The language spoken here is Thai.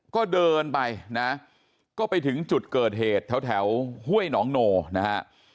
ก็เดินไปนะก็ไปถึงจุดเกิดเหตุแถวห้วยหนองโนนะฮะ